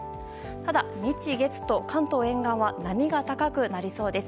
ただ、日、月と、関東沿岸は波が高くなりそうです。